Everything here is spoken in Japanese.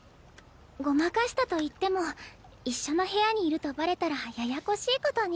ごまかしたといっても一緒の部屋にいるとバレたらややこしいことに。